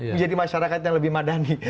menjadi masyarakat yang lebih madani